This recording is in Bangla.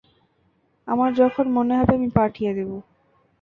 আমার যখন মনে হবে আমি পাঠিয়ে দিব।